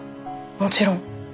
もちろん。